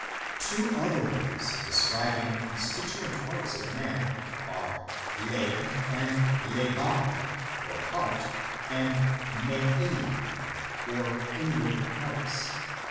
2 Two other words describing constituent parts of man are leb smdlebab ("heart"), and me im (" inward parts," lit.